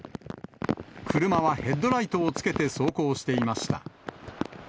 車はヘッドライトをつけて走行していました。